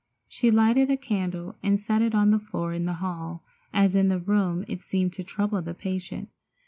She lighted a candle and set it on the floor in the hall, as in the room it seemed to trouble the patient.